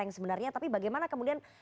yang sebenarnya tapi bagaimana kemudian